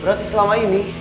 berarti selama ini